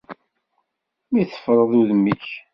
Mi teffreḍ udem-ik.